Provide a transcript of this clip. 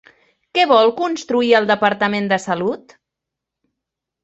Què vol construir el Departament de Salut?